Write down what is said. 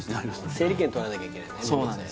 整理券取らなきゃいけないんだよ